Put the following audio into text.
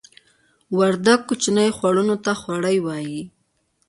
وردګ کوچنیو خوړونو ته خوړۍ وایې